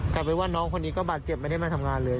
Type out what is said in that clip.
กลายเป็นว่าน้องคนนี้ก็บาดเจ็บไม่ได้มาทำงานเลย